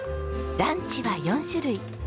ランチは４種類。